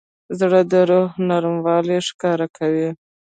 زړه د روح نرموالی ښکاره کوي.